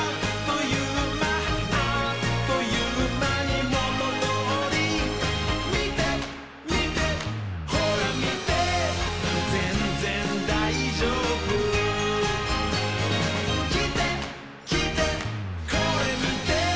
「あっというまにもとどおり」「みてみてほらみて」「ぜんぜんだいじょうぶ」「きてきてこれみて」